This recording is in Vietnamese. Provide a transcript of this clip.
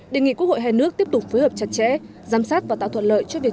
đề nghị quốc hội hai nước tiếp tục phối hợp chặt chẽ giám sát và tạo thuận lợi cho việc